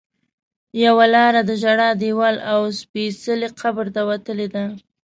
یوه لاره د ژړا دیوال او سپېڅلي قبر ته وتلې ده.